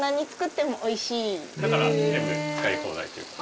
だから全部使い放題っていうか。